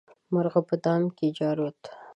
مرغه په دام کې جارووت.